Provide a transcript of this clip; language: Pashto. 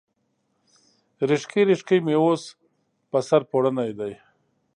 ریښکۍ، ریښکۍ مې اوس، په سر پوړني دی